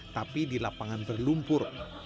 tapi di lapangan berlumpur